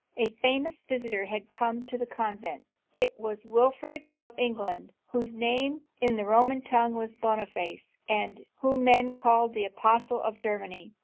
A famous visitor had come to the convent. It was Winfried of England, whose name in the Roman tongue was Boniface, and whom men called the Apostle of Germany.